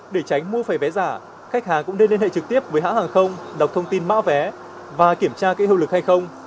để tránh mua phải vé giả khách hàng cũng nên liên hệ trực tiếp với hãng hàng không đọc thông tin mã vé và kiểm tra kỹ hưu lực hay không